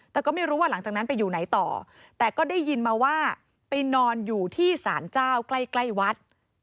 แต่ก็ไม่รู้ว่าหลังจากนั้นไปอยู่ไหนต่อแต่ก็ได้ยินมาว่าไปนอนอยู่ที่สารเจ้าใกล้ใกล้วัด